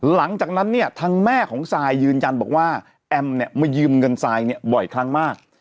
หลังจากนั้นเนี่ยทางแม่ของซายยืนยันบอกว่าแอมเนี่ยมายืมเงินทรายเนี่ยบ่อยครั้งมาก